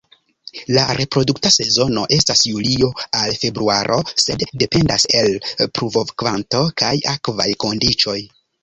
La reprodukta sezono estas julio al februaro sed dependas el pluvokvanto kaj akvaj kondiĉoj.